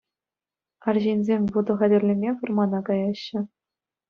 Арҫынсем вутӑ хатӗрлеме вӑрмана каяҫҫӗ.